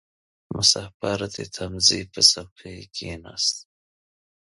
• مسافر د تمځي پر څوکۍ کښېناست.